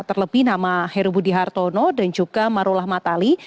terlebih nama heru budi hartono dan juga marullah matali